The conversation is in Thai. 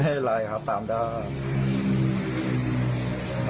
ได้ไลค์ครับตามได้